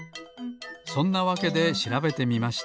そんなわけでしらべてみました。